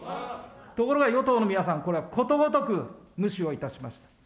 ところが与党の皆さん、これをことごとく、無視をいたしました。